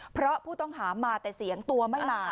เพราะผู้ต้องหามาแต่เสียงตัวไม่มา